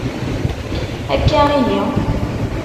Akka ihi?